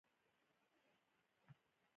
مور مې.